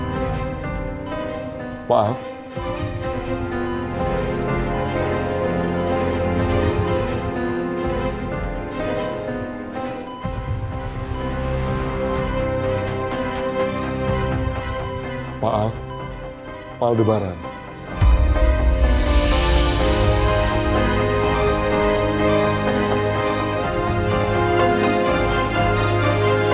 lalu gue mau duduk didalam sekretariat ini ke cara asal